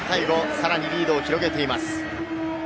さらにリードを広げています。